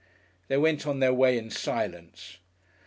They went on their way in silence.